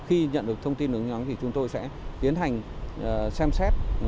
và khi nhận được thông tin đường dây nóng thì chúng tôi sẽ tiến hành xem xét